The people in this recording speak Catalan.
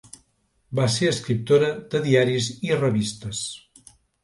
Va ser escriptora de diaris i revistes.